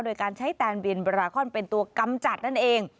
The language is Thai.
โดยการใช้แตนบินบราคอนเป็นตัวกำจัดนั่นเอง